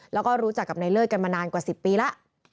แล้วก็รู้จักกับนายเลิศกันมานานกว่า๑๐ปีแล้ว